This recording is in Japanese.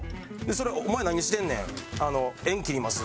で「お前何してんねん」「縁切ります。